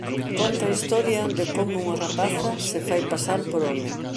Conta a historia de como unha rapaza se fai pasar por home.